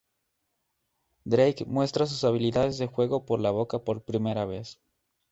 Drake muestra sus habilidades de fuego por la boca por primera vez.